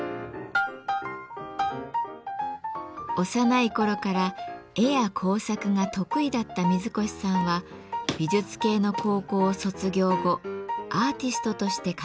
幼い頃から絵や工作が得意だった水越さんは美術系の高校を卒業後アーティストとして活動を始めました。